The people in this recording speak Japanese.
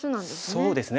そうですね。